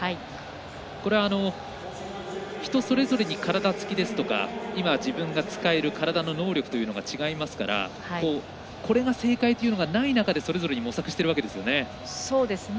これは人それぞれに体つきですとか今、自分が使える体の能力というのが違いますからこれが正解というのがない中でそれぞれに模索しているわけですよね。